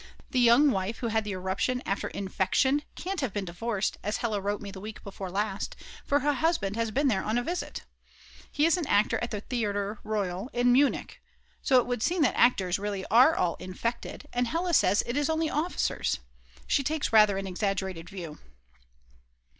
The young wife who had the eruption after infection can't have been divorced, as Hella wrote me the week before last; for her husband has been there on a visit, he is an actor at the Theatre Royal in Munich. So it would seem that actors really are all infected; and Hella always says it is only officers! She takes rather an exaggerated view.